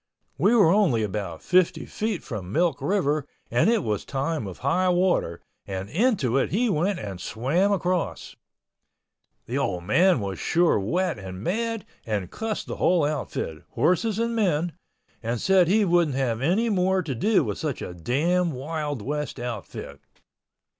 We were only about fifty feet from Milk River and it was time of high water, and into it he went and swam across. The old man was sure wet and mad, and cussed the whole outfit—horses and men—and said he wouldn't have any more to do with such a damn wild west outfit.